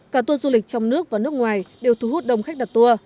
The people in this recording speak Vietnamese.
cả tour du lịch trong nước và nước ngoài đều thu hút đông khách đặt tour